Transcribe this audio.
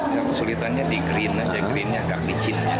ya kesulitannya di green aja greennya agak licin